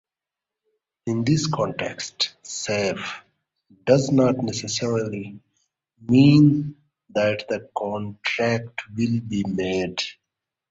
In this context, "safe" does not necessarily mean that the contract will be made.